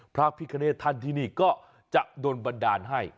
พระพิคเนตท่านที่นี่ก็จะโดนบันดาลให้